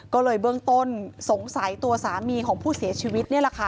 ก็เลยเบื้องต้นสงสัยตัวสามีของผู้เสียชีวิตนี่แหละค่ะ